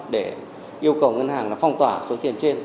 để yêu cầu ngân hàng phong tỏa số tiền trên